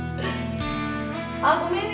あっごめんね。